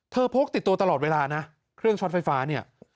พกติดตัวตลอดเวลานะเครื่องช็อตไฟฟ้าเนี่ย